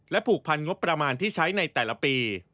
ผูกพันงบประมาณที่ใช้ในแต่ละปี